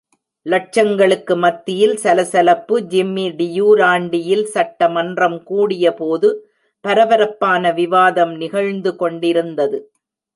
லட்சங்களுக்கு மத்தியில் சலசலப்பு ஜிம்மி டியூராண்டியில் சட்ட மன்றம் கூடிய போது, பரபரப்பான விவாதம் நிகழ்ந்து கொண்டிருந்தது.